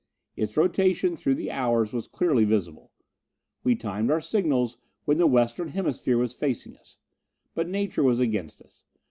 Its rotation through the hours was clearly visible. We timed our signals when the western hemisphere was facing us. But nature was against us.